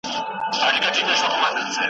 څو ساعته به په غار کي پټ وو غلی .